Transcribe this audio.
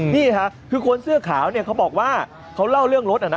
นี่ค่ะคือคนเสื้อขาวเนี่ยเขาบอกว่าเขาเล่าเรื่องรถนะ